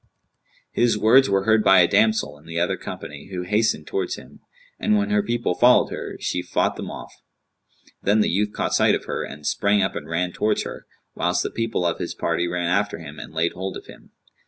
His words were heard by a damsel in the other company who hastened towards him, and when her people followed her, she fought them off. Then the youth caught sight of her and sprang up and ran towards her, whilst the people of his party ran after him and laid hold of him.